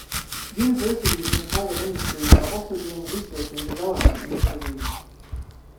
Universities and private industry are also doing research and development in this arena.